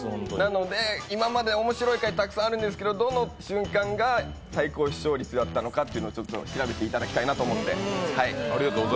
今まで面白い回、たくさんあるんですけど、どの瞬間が最高視聴率だったのかを調べていただきたいなと思って。